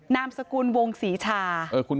นามสกุลวงศรีชา